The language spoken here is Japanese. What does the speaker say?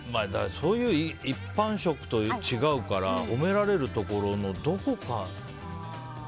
そういう一般職と違うから褒められるところも。